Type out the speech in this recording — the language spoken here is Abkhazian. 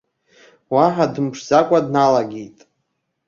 Уаҳа дымԥшӡакәа дналагеит.